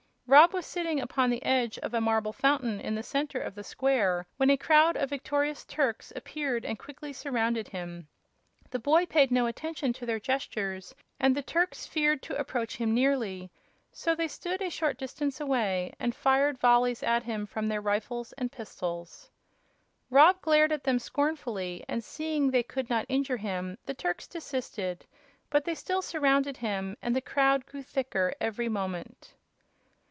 Rob was sitting upon the edge of a marble fountain in the center of the square when a crowd of victorious Turks appeared and quickly surrounded him. The boy paid no attention to their gestures and the Turks feared to approach him nearly, so they stood a short distance away and fired volleys at him from their rifles and pistols. Rob glared at them scornfully, and seeing they could not injure him the Turks desisted; but they still surrounded him, and the crowd grew thicker every moment.